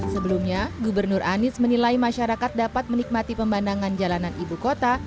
sebelumnya gubernur anies menilai masyarakat dapat menikmati pemandangan jalanan ibu kota